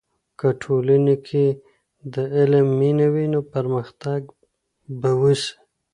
که ټولنې کې د علم مینه وي، نو پرمختګ به وسي.